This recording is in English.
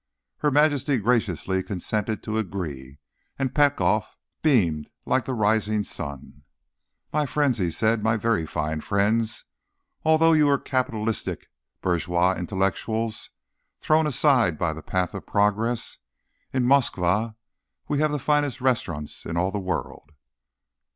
Her Majesty graciously consented to agree, and Petkoff beamed like the rising sun. "My friends," he said. "My very fine friends—although you are capitalistic bourgeois intellectuals, thrown aside by the path of progress—in Moskva we have the finest restaurants in all the world."